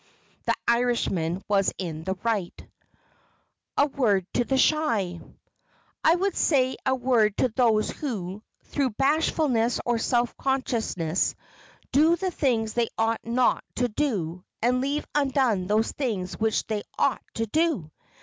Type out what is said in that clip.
The Irishman was in the right. [Sidenote: A WORD TO THE SHY] I would say a word to those who, through bashfulness or self consciousness, do the things they ought not to do and leave undone those things which they ought to do.